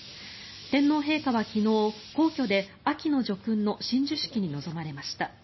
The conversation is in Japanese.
天皇陛下は昨日、皇居で秋の叙勲の親授式に臨まれました。